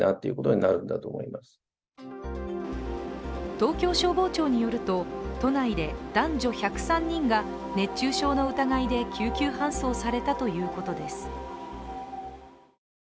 東京消防庁によると、都内で男女１０３人が熱中症の疑いで救急搬送されたということです。